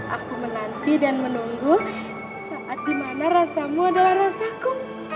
aku menanti dan menunggu saat dimana rasamu adalah rasaku